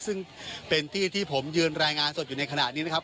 ซึ่งเป็นที่ที่ผมยืนรายงานสดอยู่ในขณะนี้นะครับ